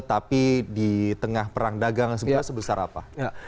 tapi di tengah perang dagang sebesar apa